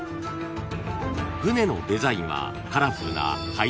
［船のデザインはカラフルな］